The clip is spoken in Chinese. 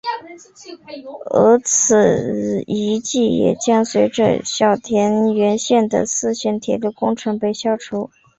而此遗迹也将随着小田原线的四线铁路工程被消除。